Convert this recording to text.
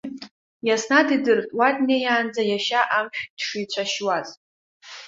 Иаснаҭ идырт уа днеиаанӡа иашьа амшә дшицәашьуаз.